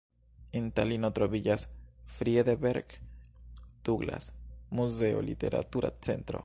En Talino troviĝas Friedebert-Tuglas-muzeo, literatura centro.